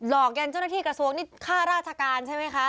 อกยังเจ้าหน้าที่กระทรวงนี่ค่าราชการใช่ไหมคะ